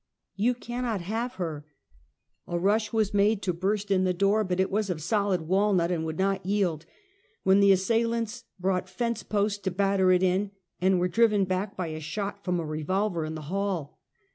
" You cannot have her." A rush was made to burst in the door, but it was of solid walnut and would not yield, when the assailants brought fence posts to batter it in, and were driven back by a shot from a revolver in the hall.